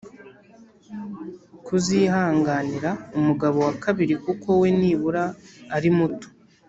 kuzihanganira umugabo wa kabiri, kuko we nibura ari muto